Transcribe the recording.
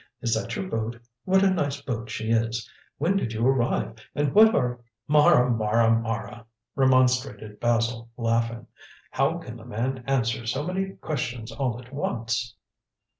Is that your boat? What a nice boat she is. When did you arrive and what are " "Mara, Mara, Mara!" remonstrated Basil laughing, "how can the man answer so many questions all at once?"